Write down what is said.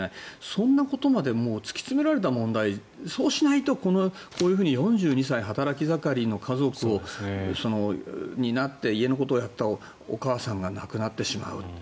そんなことまで突きつけられた問題そうしないとこういうふうに４２歳、働き盛りの家族を担って家のことをやっていたお母さんが亡くなってしまう。